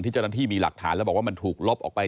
ที่เจ้าหน้าที่มีหลักฐานเรียกว่ามันถูกลบออกไป